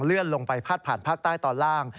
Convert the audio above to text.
เลื่อนลงไปพัดผ่านภาคใต้ตอนล่าง